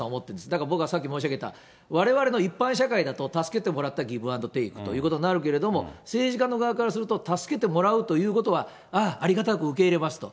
だから僕はさっき申し上げた、われわれの一般社会だと助けてもらったら、ギブアンドテークということになるけれども、政治家の側からすると、助けてもらうということは、あぁ、ありがたく受け取りますと。